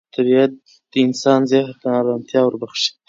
طبیعت د انسان ذهن ته ارامتیا وربخښي